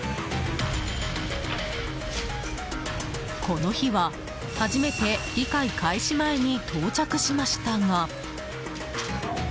この日は、初めて議会開始前に到着しましたが。